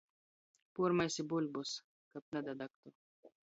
Puormaisi buļbis, kab nadadagtu!